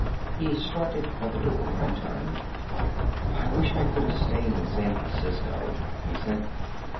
He started for the door and turned. "I wish I could have stayed in San Francisco," he said.